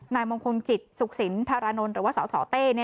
นายมงคลกิตสุขศิลป์ทรนหรือว่าสสเต้